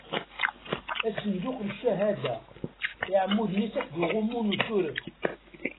Asenduq n cchada, iɛmuden-is akked uɣummu n usuref.